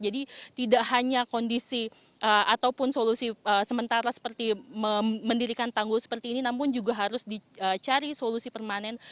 jadi tidak hanya kondisi ataupun solusi sementara seperti mendirikan tanggul seperti ini namun juga harus dicari solusi permanen